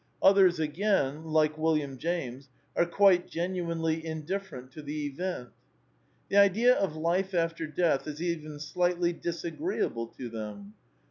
Others again, like William James, are quite genuinely indifferent to the event. The idea of life after death is even slightly disagreeable to them.